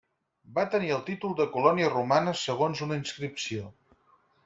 Va tenir el títol de colònia romana segons una inscripció.